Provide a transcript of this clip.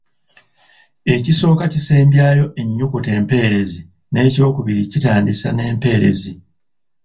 Ekisooka kisembyayo ennyukuta empeerezi n'ekyokubiri kitandisa n'empeerezi.